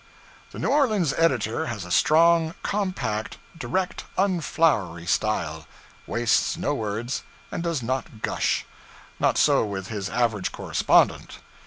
The New Orleans editor has a strong, compact, direct, unflowery style; wastes no words, and does not gush. Not so with his average correspondent.